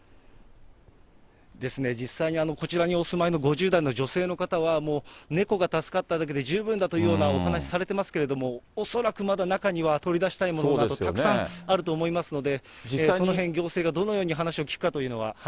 ですね、実際にこちらにお住いの５０代の女性の方は、もう、猫が助かっただけで十分だというようなお話されてますけれども、恐らくまだ中には取り出したいものなど、たくさんあると思いますので、そのへん行政がどのように話を聞くかというのは。